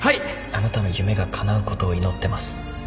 「あなたの夢が叶うことを祈ってます」